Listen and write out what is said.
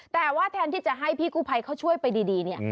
แต่ว่าแทนที่จะให้พี่กู้ภัยเขาช่วยไปดีเนี่ย